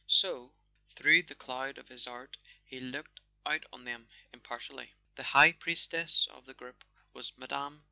So, through the cloud of his art, he looked out on them impartially. The high priestess of the group was Mme.